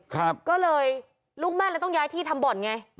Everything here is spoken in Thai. ก็เลยลูกแม่เลยต้องย้ายที่ทำบ่อนไง